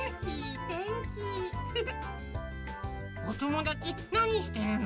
おともだちなにしてるの？